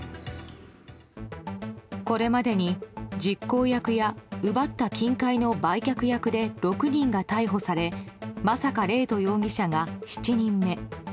これまでに実行役や奪った金塊の売却役で６人が逮捕され真坂怜斗容疑者が７人目。